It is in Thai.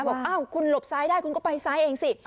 บอกอ้าวคุณหลบซ้ายได้คุณก็ไปซ้ายเองสิ